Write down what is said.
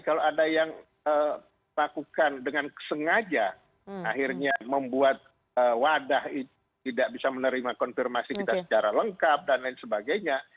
kalau ada yang lakukan dengan sengaja akhirnya membuat wadah tidak bisa menerima konfirmasi kita secara lengkap dan lain sebagainya